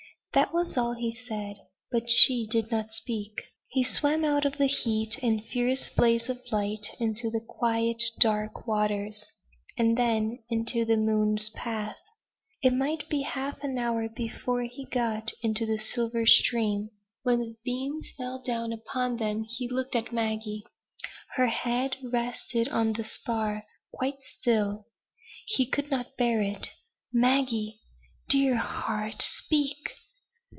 That was all he said; but she did not speak. He swam out of the heat and fierce blaze of light into the quiet, dark waters; and then into the moon's path. It might be half an hour before he got into that silver stream. When the beams fell down upon them he looked at Maggie. Her head rested on the spar, quite still. He could not bear it. "Maggie dear heart! speak!"